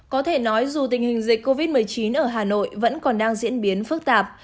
có thể nói dù tình hình dịch covid một mươi chín ở hà nội vẫn còn đang diễn biến phức tạp